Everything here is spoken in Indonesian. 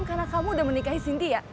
karena kamu udah menikahi sinti ya